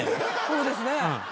そうですね。